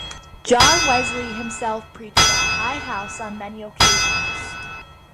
John Wesley himself preached at High House on many occasions.